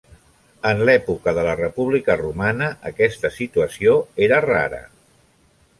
En l'època de la República romana, aquesta situació era rara.